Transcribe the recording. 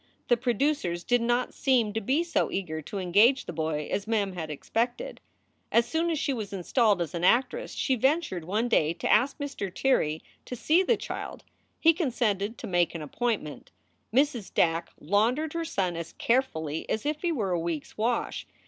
The producers did not seem to be so eager to engage the boy as Mem had expected. As soon as she was installed as an actress she ventured one day to ask Mr. Tirrey to see the child; he consented to make an appointment. Mrs. Dack laundered her son as carefully as if he were a week s wash.